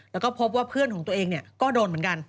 แล้วก็พบว่าเพื่อนของตัวเองก็โดนเหมือนกัน